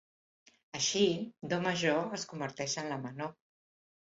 Així Do Major es converteix en la menor.